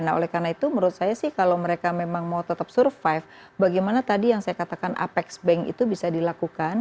nah oleh karena itu menurut saya sih kalau mereka memang mau tetap survive bagaimana tadi yang saya katakan apex bank itu bisa dilakukan